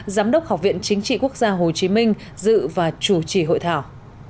giám đốc học viện chính trị quốc gia hồ chí minh dự và chủ trì hội thảo